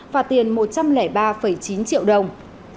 phạt tiền một trăm linh ba chín triệu đồng